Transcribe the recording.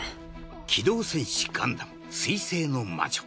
「機動戦士ガンダム水星の魔女」